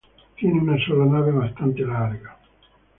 Tiene una sola nave bastante larga.